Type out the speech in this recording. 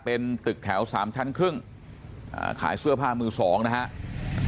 เป็นตึกแถว๓ชั้นครึ่งขายเสื้อผ้ามือ๒นะครับ